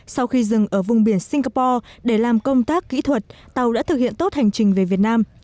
sau khi dừng ở vùng biển singapore để làm công tác kỹ thuật tàu đã thực hiện tốt hành trình về việt nam